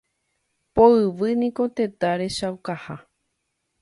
Poyvi niko tetã rechaukaha.